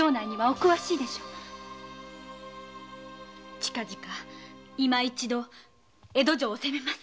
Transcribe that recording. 近々今一度江戸城を攻めます。